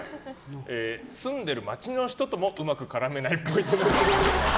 住んでいる街の人ともうまく絡めないっぽいと。